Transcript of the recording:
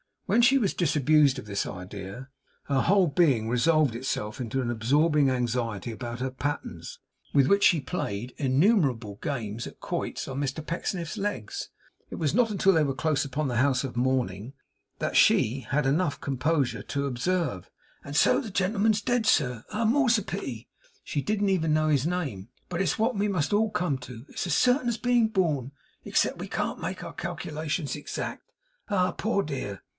When she was disabused of this idea, her whole being resolved itself into an absorbing anxiety about her pattens, with which she played innumerable games at quoits on Mr Pecksniff's legs. It was not until they were close upon the house of mourning that she had enough composure to observe 'And so the gentleman's dead, sir! Ah! The more's the pity.' She didn't even know his name. 'But it's what we must all come to. It's as certain as being born, except that we can't make our calculations as exact. Ah! Poor dear!